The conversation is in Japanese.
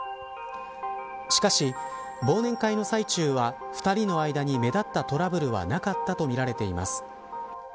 しかし、忘年会の最中は２人の間に、目立ったトラブルはなかったとみられています。